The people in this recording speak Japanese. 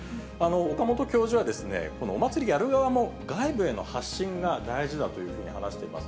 岡本教授は、このお祭りやる側も、外部への発信が大事だというふうに話しています。